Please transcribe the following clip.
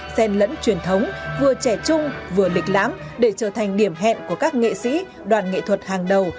xen lẫn truyền thống vừa trẻ chung vừa lịch lãm để trở thành điểm hẹn của các nghệ sĩ đoàn nghệ thuật hàng đầu